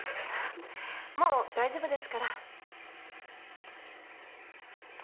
もう大丈夫ですから。